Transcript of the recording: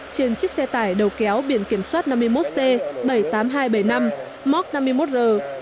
trên chiếc xe tải đầu kéo biển kiểm soát năm mươi một c bảy mươi tám nghìn hai trăm bảy mươi năm mok năm mươi một r một mươi sáu nghìn năm trăm sáu mươi